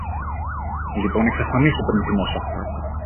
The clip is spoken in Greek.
Λοιπόν εξαφανίσου πριν θυμώσω.